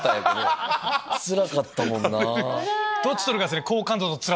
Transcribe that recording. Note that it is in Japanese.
つらかったもんなぁ。